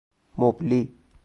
مبلی